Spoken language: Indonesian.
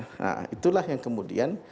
nah itulah yang kemudian